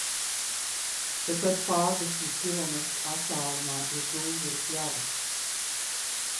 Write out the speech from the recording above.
Tepat pārdesmit kilometru attālumā ir Dunduru pļavas.